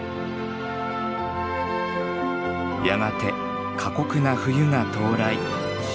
やがて過酷な冬が到来。